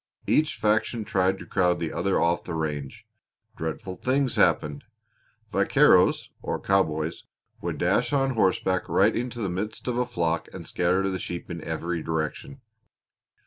Each faction tried to crowd the other off the range. Dreadful things happened. Vaqueros, or cowboys, would dash on horseback right into the midst of a flock and scatter the sheep in every direction.